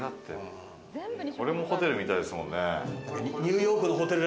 これもホテルみたいですもんね。